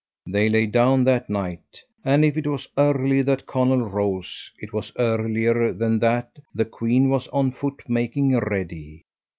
They lay down that night, and if it was early that Conall rose, it was earlier than that that the queen was on foot making ready.